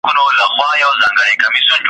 ګیدړ هم له خوشالیه کړې نڅاوي ,